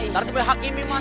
ternyata beli hak ini masa